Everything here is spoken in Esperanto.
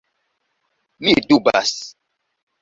Mi dubas.